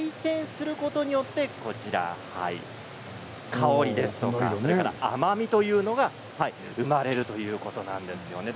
煎することによって香りですとか甘みというのが生まれるということなんですよね。